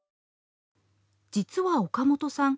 実は岡本さん